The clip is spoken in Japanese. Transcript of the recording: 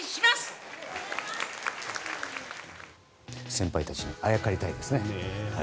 先輩たちにあやかりたいですね。